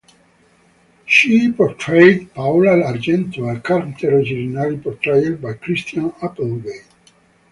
She portrayed Paola Argento, a character originally portrayed by Christina Applegate.